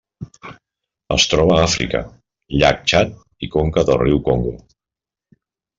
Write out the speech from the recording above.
Es troba a Àfrica: llac Txad i conca del riu Congo.